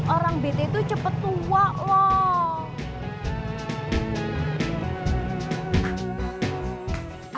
orang bete tuh cepet tua loh